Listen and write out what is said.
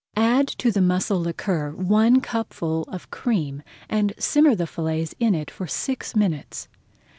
Add to the mussel liquor one cupful of cream and simmer the fillets in it for six minutes.